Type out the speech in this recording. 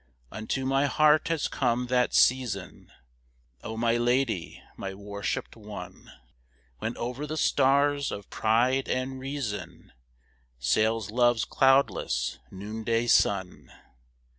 Unto my heart has come that season, O my lady, my worshipped one, When over the stars of Pride and Reason Sails Love's cloudless, noonday sun.